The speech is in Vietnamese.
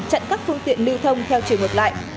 chặn các phương tiện lưu thông theo trường hợp lại